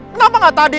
kenapa gak tadi